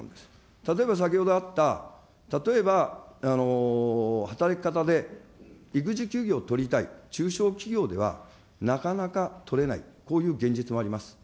例えば先ほどあった、例えば働き方で育児休業を取りたい、中小企業ではなかなかとれない、こういう現実もあります。